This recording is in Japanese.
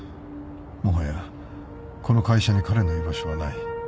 もはやこの会社に彼の居場所はない。